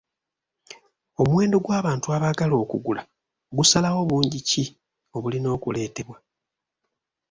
Omuwendo gw'abantu abaagala okugula gusalawo bungi ki obulina okuleetebwa.